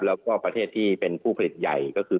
แล้วก็ประเทศที่เป็นผู้ผลิตใหญ่ก็คือ